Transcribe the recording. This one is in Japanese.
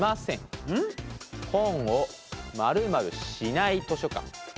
本を○○しない図書館。